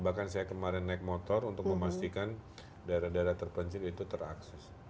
bahkan saya kemarin naik motor untuk memastikan daerah daerah terpencil itu terakses